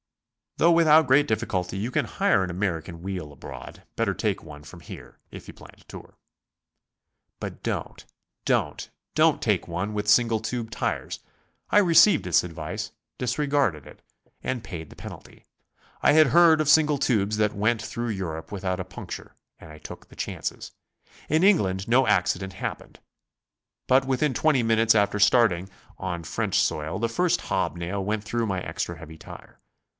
Though without great difficulty you can hire an American wheel abroad, bet ter take one from here if you plan to tour. But don't, don't, don't take one with single tube tires. I received this advice, disregarded it, and paid the penalty. I had heard of single tubes that went through Europe without a puncture and I took the chances. In England no accident happened, but within twenty minutes after starting on French soil, the first hob nail went through my extra heavy tire.